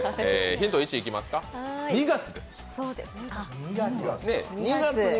ヒント１いきますか、２月です。